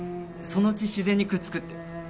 そのうち自然にくっつくって。